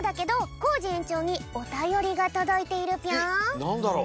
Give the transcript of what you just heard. えっなんだろう？